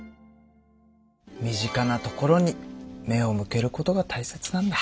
身近なところに目を向けることが大切なんだ。